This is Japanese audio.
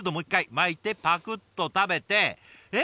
巻いてパクッと食べてえっ